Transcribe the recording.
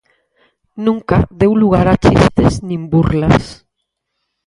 Nunca deu lugar a chistes nin burlas.